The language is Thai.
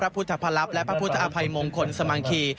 พระพุทธภัพท์นะครับและพระพุทธอภัยมงคลสมังขี